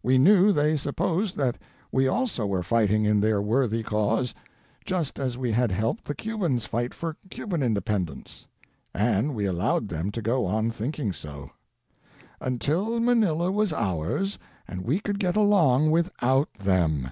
We knew they supposed that we also were fighting in their worthy cause — just as we had helped the Cubans fight for Cuban inde pendence — and we allowed them to go on thinking so. Until Manila was ours and we could get along without them.